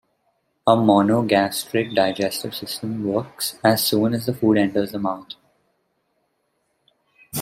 A monogastric digestive system works as soon as the food enters the mouth.